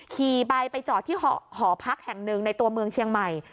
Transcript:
ขี่ไปไปจอดที่หอพักแห่งหนึ่งในตัวเมืองเชียงใหม่